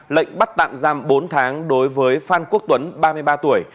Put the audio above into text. lệnh bắt tạm giam bốn tháng đối với phan quốc tuấn ba mươi ba tuổi